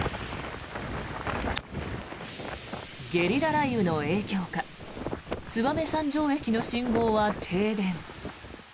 ゲリラ雷雨の影響か燕三条駅の信号は停電。